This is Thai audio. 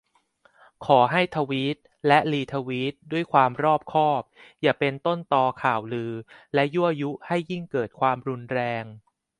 ขอให้ทวีต และ รีทวีต ด้วยความรอบคอบ อย่าเป็นต้นตอข่าวลือ และยั่วยุให้ยิ่งเกิดความรุนแรง